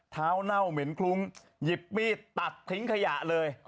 เน่าเหม็นคลุ้งหยิบมีดตัดทิ้งขยะเลย